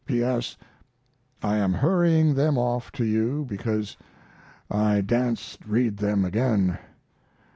P. S. I am hurrying them off to you because I dasn't read them again!